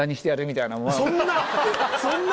そんな！